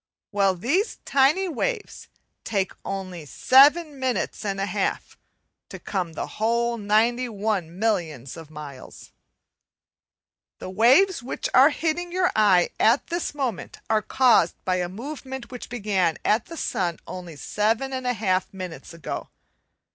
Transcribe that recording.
Well, these tiny waves take only seven minutes and a half to come the whole 91 millions of miles. The waves which are hitting your eye at this moment are caused by a movement which began at the sun only 7 1/2 minutes ago.